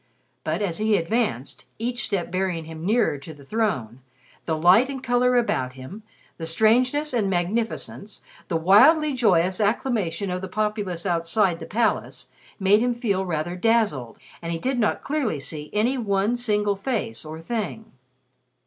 But as he advanced, each step bearing him nearer to the throne, the light and color about him, the strangeness and magnificence, the wildly joyous acclamation of the populace outside the palace, made him feel rather dazzled, and he did not clearly see any one single face or thing.